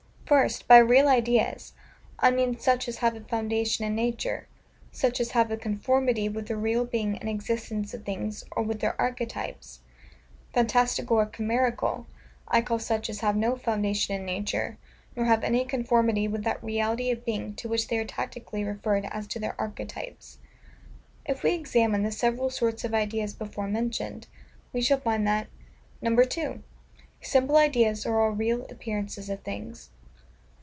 First, by REAL IDEAS, I mean such as have a foundation in nature; such as have a conformity with the real being and existence of things, or with their archetypes. FANTASTICAL or CHIMERICAL, I call such as have no foundation in nature, nor have any conformity with that reality of being to which they are tacitly referred, as to their archetypes. If we examine the several sorts of ideas before mentioned, we shall find that, 2. Simple Ideas are all real appearances of things.